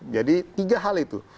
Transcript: jadi tiga hal itu